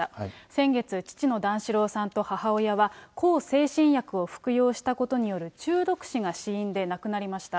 先月、父の段四郎さんと母親は、向精神薬を服用したことによる中毒死が死因で亡くなりました。